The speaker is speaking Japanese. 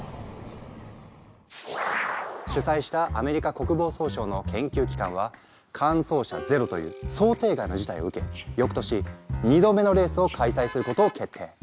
主催したアメリカ国防総省の研究機関は完走車ゼロという想定外の事態を受けよくとし２度目のレースを開催することを決定。